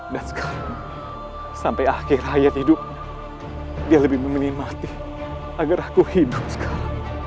dan sekarang sampai akhir hayat hidupnya dia lebih memenuhi mati agar aku hidup sekarang